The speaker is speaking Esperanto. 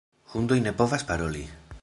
Hundoj ne povas paroli.